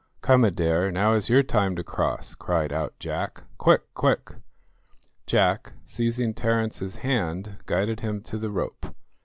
"Come, Adair, now is your time to cross," cried out Jack. "Quick, quick." Jack, seizing Terence's hand, guided him to the rope.